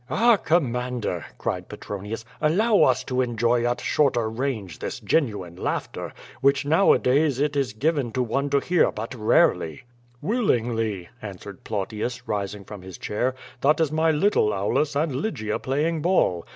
"Ah, commander," cried Petronius, "allow us to enjoy at shorter range this genuine laughter, which' now a days it is given to one to hear but rarely." 26 Q^O VADI8. 'Willingly/' answered Plautius, rising from his chair. "That is my little Aulus and Lygia playing ball.